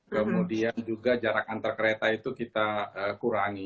kemudian juga jarak antar kereta itu kita kurangi